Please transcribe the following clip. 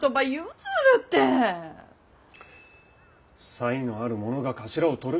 才のある者が頭をとる。